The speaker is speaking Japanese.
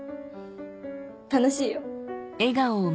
楽しいよ。